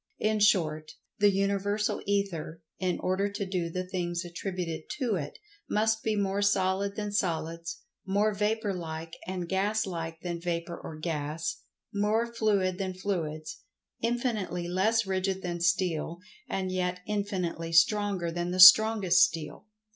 In short, The Universal Ether, in order to do the things attributed to it, must be more solid than Solids; more Vapor like and Gas like than Vapor or Gas; more fluid than Fluids; infinitely less rigid than steel, and yet infinitely stronger than the strongest steel.